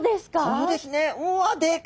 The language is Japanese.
そうですね